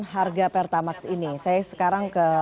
harga pertamax ini saya sekarang ke